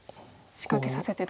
仕掛けさせてと。